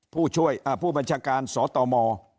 ผู้ช่วยผู้บัญชาการสตม